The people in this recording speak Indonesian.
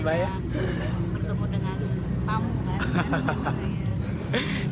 lebih banyak bertemu dengan tamu kan